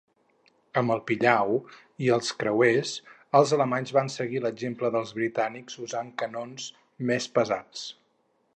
Amb el "Pillau" i els creuers, els alemanys van seguir l'exemple dels britànics usant canons més pesats.